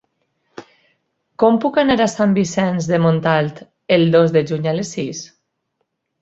Com puc anar a Sant Vicenç de Montalt el dos de juny a les sis?